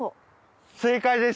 正解です。